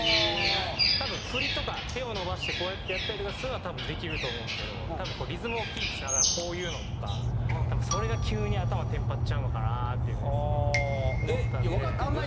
振りとか手を伸ばしてこうやってやったりとかするのは多分できると思うんですけどリズムをキープしながらこういうのとかそれが急に頭テンパっちゃうのかなっていうふうに思ったんで。